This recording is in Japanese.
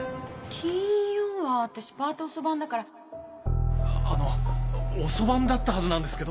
金曜は私パート遅番だからあの遅番だったはずなんですけど。